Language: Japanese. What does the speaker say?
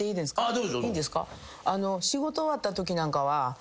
どうぞ。